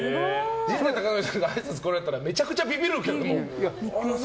陣内孝則さんが来たらめちゃくちゃビビるけどね。